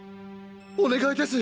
お願いです！